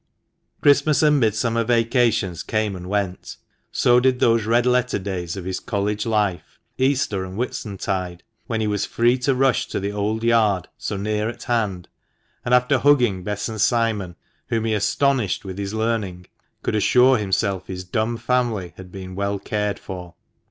Christmas and Midsummer vacations came and went, so did those red letter days of his College life, Easter and Whitsuntide, when he was free to rush to the old yard, so near at hand, and after hugging Bess and Simon, whom he astonished with his learning, could assure himself his dumb family had been well cared for.